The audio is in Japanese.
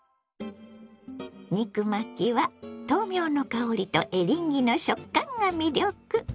肉巻きは豆苗の香りとエリンギの食感が魅力。